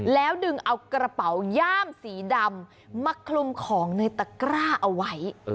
แล้วดึงเอากระเป๋าย่ามสีดำมาคลุมของในตะกร้าเอาไว้